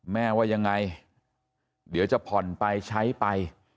ว่ายังไงเดี๋ยวจะผ่อนไปใช้ไป